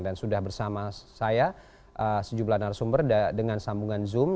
dan sudah bersama saya sejumlah narasumber dengan sambungan zoom